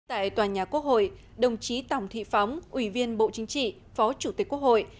tại tòa nhà quốc hội đồng chí tổng thị phóng ủy viên bộ chính trị phó chủ tịch quốc hội